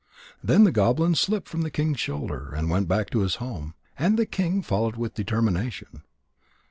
Then the goblin slipped from the king's shoulder and went back to his home. And the king followed with determination.